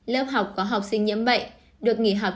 lớp học có học sinh nhiễm bệnh được nghỉ học